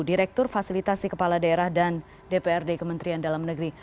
direktur fasilitasi kepala daerah dan dprd kementerian dalam negeri